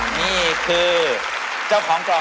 นี่คือเจ้าของกล่อง